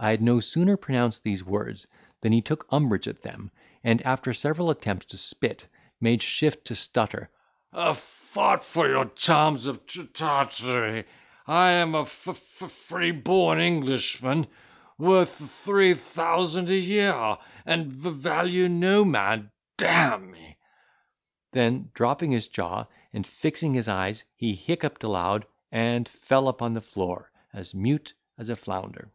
I had no sooner pronounced these words than he took umbrage at them, and after several attempts to spit, made shift to stutter, "A f—t for your Chams of T—Tartary! I am a f—f—freeborn Englishman, worth th—three thousand a year, and v—value no man, d—me." Then, dropping his jaw, and fixing his eyes, he hiccuped aloud, and fell upon the floor as mute as a flounder.